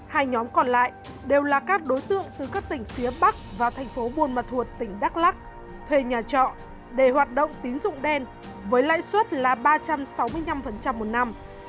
hai nhóm còn lại đều là các đối tượng từ các tỉnh phía bắc và thành phố buôn ma thuột tỉnh đắk lắc thuê nhà trọ để hoạt động tín dụng đen với lãi suất là ba trăm sáu mươi năm một năm